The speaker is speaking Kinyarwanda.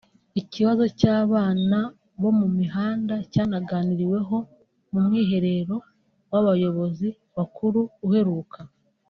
Ikibazo cy’abana bo mumihanda cyanaganiriweho mu mwiherero w’abayobozi bakuru uheruka